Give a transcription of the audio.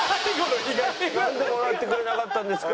なんでもらってくれなかったんですか。